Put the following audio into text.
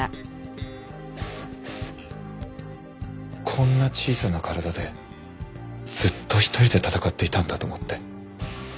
こんな小さな体でずっと一人で闘っていたんだと思って。